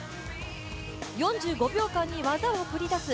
４５秒間に技を繰り出す